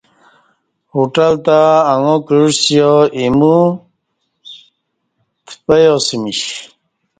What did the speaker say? ہوٹل تہ اݣا کعسیا ایمو تپیاسمیش